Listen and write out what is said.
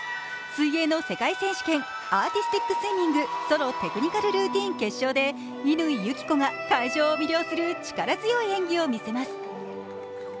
水泳の世界選手権、アーティスティックスイミングソロテクニカルルーティンの決勝で乾友紀子が会場を魅了する力強い演技を見せます。